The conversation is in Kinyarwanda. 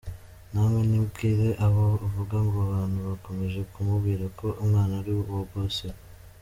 Namwe nimbwire aho avuga ngo abantu bakomeje kumubwira ko umwana ari uwa boss we.